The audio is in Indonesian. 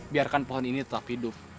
biarkan pohon ini tetap hidup